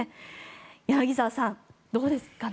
柳澤さん、どうですかね。